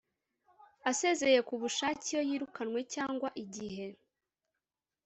Asezeye ku bushake iyo yirukanywe cyangwa igihe